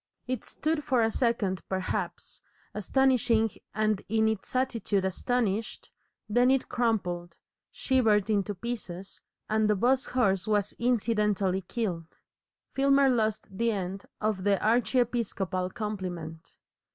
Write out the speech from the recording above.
It stood for a second perhaps, astonishing and in its attitude astonished, then it crumpled, shivered into pieces, and the 'bus horse was incidentally killed. Filmer lost the end of the archiepiscopal compliment.